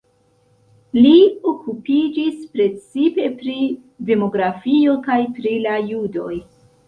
Li okupiĝis precipe pri demografio kaj pri la judoj.